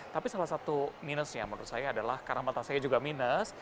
tapi salah satu minusnya menurut saya adalah karena mata saya juga minus